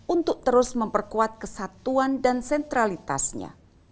untuk terus memperkuat kesatuan dan sentralitasnya